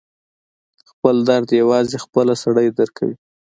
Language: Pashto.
خپل درد یوازې خپله سړی درک کوي.